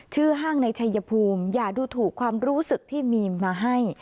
ห้างในชัยภูมิอย่าดูถูกความรู้สึกที่มีมาให้